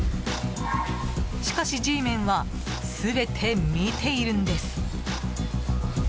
しかし、Ｇメンは全て見ているんです。